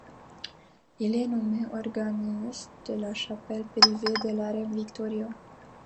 Il est nommé organiste de la chapelle privée de la reine Victoria.